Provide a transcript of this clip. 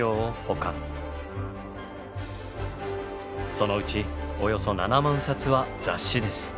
そのうちおよそ７万冊は雑誌です。